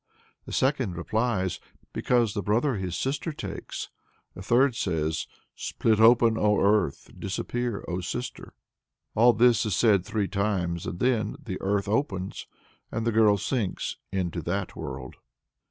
The second replies, "Because the brother his sister takes." The third says, "Split open, O Earth! disappear, O sister!" All this is said three times, and then the earth opens, and the girl sinks "into that world."